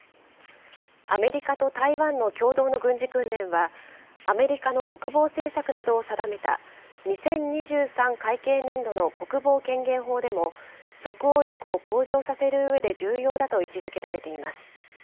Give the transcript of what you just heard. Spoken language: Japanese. アメリカと台湾の共同の軍事訓練は、アメリカの国防政策などを定めた２０２３会計年度の国防権限法でも、即応力を向上させるうえで重要だと位置づけられています。